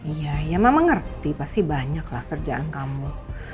iya ya mama ngerti pasti banyak lah kerjaan kamu